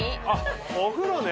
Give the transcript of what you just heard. お風呂ね。